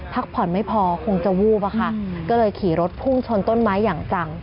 พักผ่อนไม่พอคงจะวูบอะค่ะก็เลยขี่รถพุ่งชนต้นไม้อย่างจัง